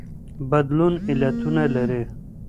بدلون علتونه لري.